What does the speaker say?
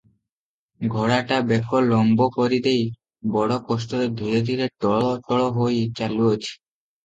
ଘୋଡ଼ାଟା ବେକ ଲମ୍ବ କରିଦେଇ ବଡ଼ କଷ୍ଟରେ ଧୀରେ ଧୀରେ ଟଳଟଳହୋଇ ଚାଲୁଅଛି ।